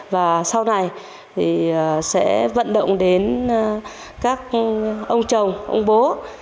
và sau này thì sẽ vận động đến các ông chồng ông bố